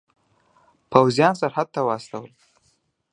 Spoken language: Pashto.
پوځیان سرحد ته واستول.